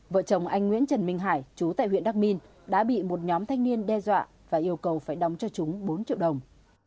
vợ chồng anh nguyễn trần minh hải chú tại huyện đắk minh đã bị một nhóm thanh niên đe dọa và yêu cầu phải đóng cho chúng bốn triệu đồng